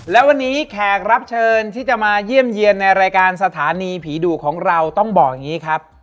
และวันนี้แขกรับเชิญที่จะมาเยี่ยมเยี่ยมในรายการสถานีผีดุของเราต้องบอกอย่างนี้ครับ